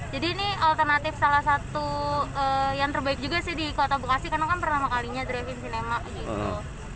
jadi ini alternatif salah satu yang terbaik juga sih di kota bekasi karena kan pertama kalinya drive in cinema gitu